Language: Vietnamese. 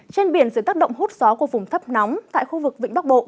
trên biển dưới tác động hút gió của vùng thấp nóng tại khu vực vĩnh bắc bộ